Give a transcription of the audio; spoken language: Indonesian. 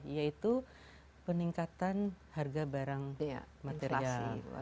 yaitu peningkatan harga barang material